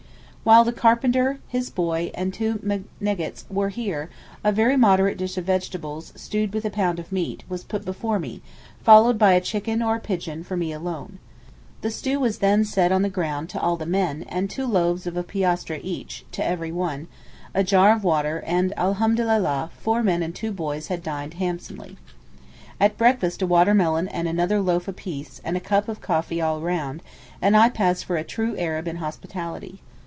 While the carpenter, his boy, and two meneggets were here, a very moderate dish of vegetables, stewed with a pound of meat, was put before me, followed by a chicken or a pigeon for me alone. The stew was then set on the ground to all the men, and two loaves of a piastre each, to every one, a jar of water, and, Alhamdulillah, four men and two boys had dined handsomely. At breakfast a water melon and another loaf a piece, and a cup of coffee all round; and I pass for a true Arab in hospitality.